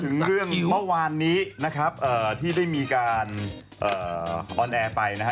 ถึงเรื่องเมื่อวานนี้นะครับเอ่อที่ได้มีการเอ่อนะฮะ